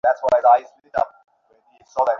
অহ, না, আবার শুরু করো না।